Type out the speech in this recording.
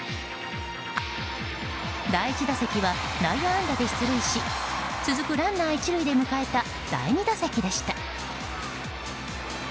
第１打席は内野安打で出塁し続くランナー１塁で迎えた第２打席でした。